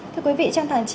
thưa quý vị trong tháng chín